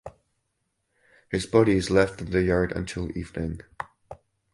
His body is left in the yard until evening.